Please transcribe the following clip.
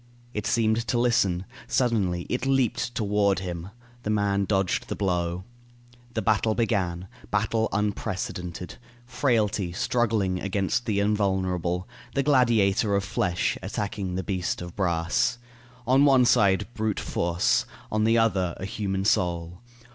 It seemed to listen. Suddenly it leaped toward him. The man dodged the blow. The battle began. Battle unprecedented. Frailty struggling against the invulnerable. The gladiator of flesh attacking the beast of brass. On one side, brute force; on the other, a human soul.